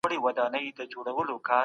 هغوی په تېرو وختونو کي ډېره هڅه کړې وه.